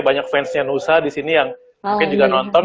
banyak fansnya nusa disini yang mungkin juga nonton